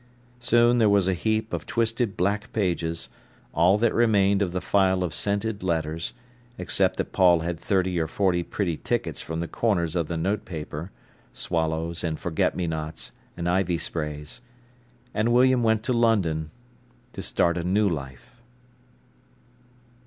Soon there was a heap of twisted black pages, all that remained of the file of scented letters, except that Paul had thirty or forty pretty tickets from the corners of the notepaper—swallows and forget me nots and ivy sprays. And William went to London, to start a new life.